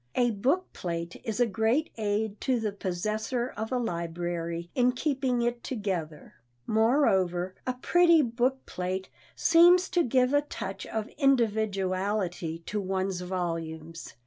A book plate is a great aid to the possessor of a library in keeping it together. Moreover, a pretty book plate seems to give a touch of individuality to one's volumes.